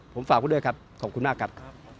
ผมฝากคุณด้วยครับขอบคุณมากครับ